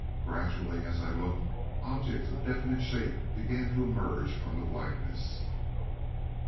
Gradually, as I looked, objects of definite shape began to emerge from the blackness.